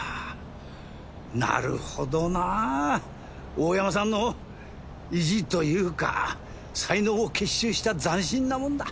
大山さんの意地というか才能を結集した斬新なもんだ。